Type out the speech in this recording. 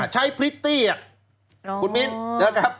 ใช้พริตตี้อ่ะคุณมินเออครับ